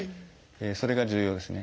それが重要ですね。